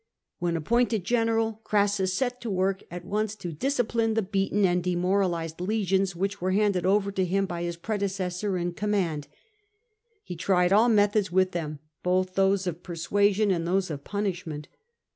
When appointed general, Crassus set to work at once to discipline the beaten and demoralised legions which were handed over to him by his predecessor in command. He tried all methods with them, both those of persuasion and those of punishment.